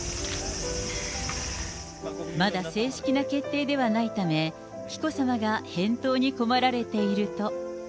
まだ正式な決定ではないため、紀子さまが返答に困られていると。